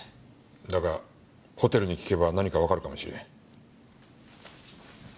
だがホテルに聞けば何かわかるかもしれん。